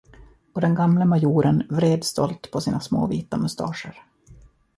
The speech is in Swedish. Och den gamle majoren vred stolt på sina små vita mustascher.